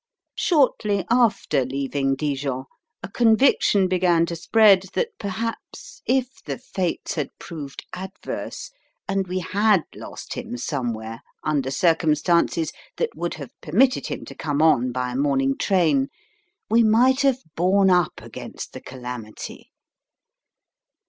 Shortly after leaving Dijon a conviction began to spread that perhaps if the fates had proved adverse, and we had lost him somewhere under circumstances that would have permitted him to come on by a morning train, we might have borne up against the calamity.